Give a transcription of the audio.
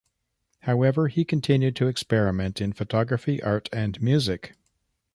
However, he continued to experiment in photography, art, and music.